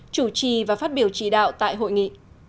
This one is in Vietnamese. chủ trì và phát biểu chỉ đạo tại hội nghị